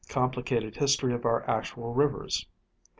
Complicated history of our actual rivers.